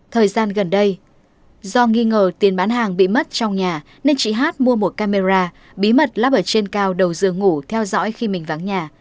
thời gian gần đây do nghi ngờ tiền bán hàng bị mất trong nhà nên chị hát mua một camera bí mật lắp ở trên cao đầu dường ngủ theo dõi khi mình vắng nhà